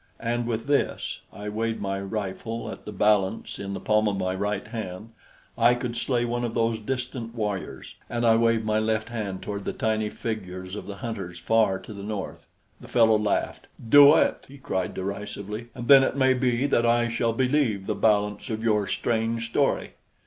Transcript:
"And with this" I weighed my rifle at the balance in the palm of my right hand "I could slay one of those distant warriors." And I waved my left hand toward the tiny figures of the hunters far to the north. The fellow laughed. "Do it," he cried derisively, "and then it may be that I shall believe the balance of your strange story."